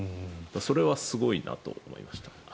それはすごいなと思いました。